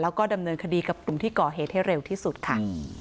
แล้วก็ดำเนินคดีกับกลุ่มที่ก่อเหตุให้เร็วที่สุดค่ะ